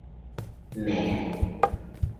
Mẹ